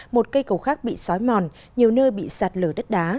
một cây cầu khác bị xói mòn nhiều nơi bị sạt lở đất đá